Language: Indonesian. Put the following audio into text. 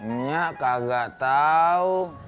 enggak kagak tau